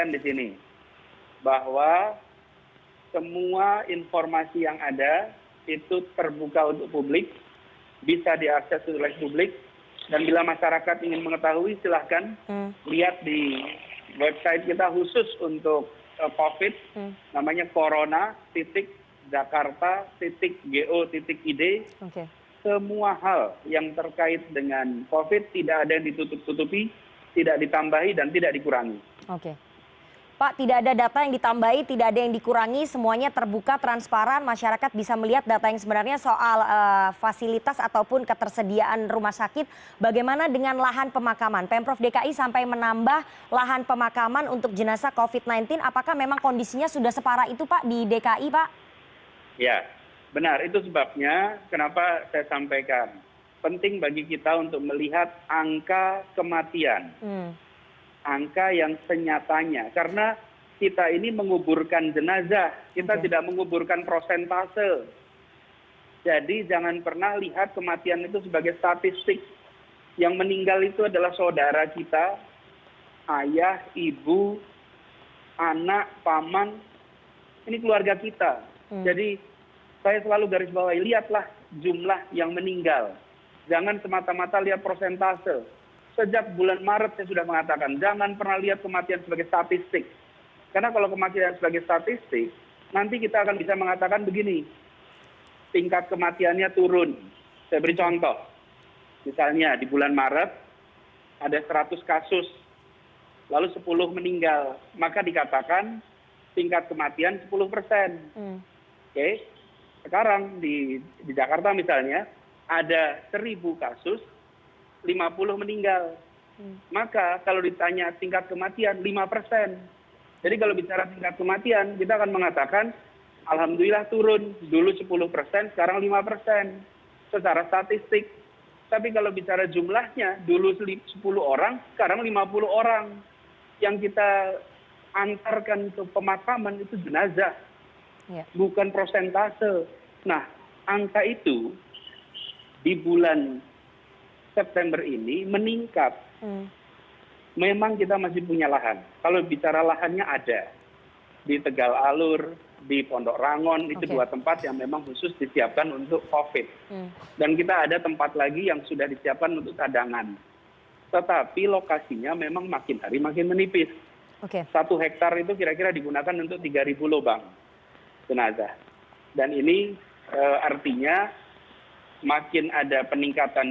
dan itu dilakukannya dikerjakan oleh pemerintah dki dengan dukungan pemerintah pusat